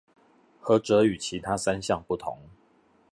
何者與其他三項不同？